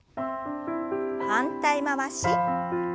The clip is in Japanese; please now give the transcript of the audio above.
反対回し。